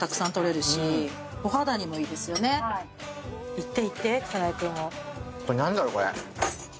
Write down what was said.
いっていって草薙君も。